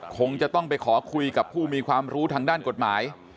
คงจะต้องไปขอคุยกับผู้มีความรู้ทางด้านกฎหมาย